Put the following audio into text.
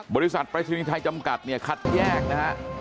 บริษัทปรัศนียทายจำกัดคัดแยกนะฮะ